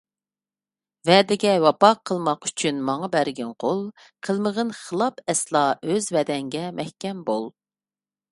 ۋەدىگە ۋاپا قىلماق ئۈچۈن ماڭا بەرگىن قول، قىلمىغىن خىلاپ ئەسلا، ئۆز ۋەدەڭدە مەھكەم بول.